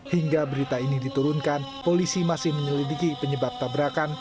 hingga berita ini diturunkan polisi masih menyelidiki penyebab tabrakan